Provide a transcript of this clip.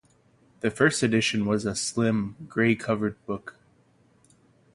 The first edition was a slim, grey-covered book.